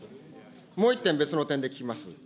もう１点、別の点で聞きます。